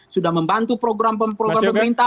sudah membantu program program pemerintah